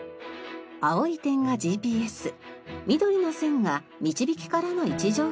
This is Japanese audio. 青い点がＧＰＳ緑の線がみちびきからの位置情報です。